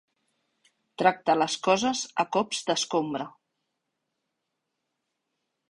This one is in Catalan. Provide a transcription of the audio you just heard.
Tracta les coses a cops d'escombra.